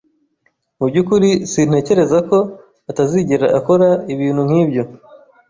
"Mu byukuri? Sintekereza ko atazigera akora ibintu nk'ibyo."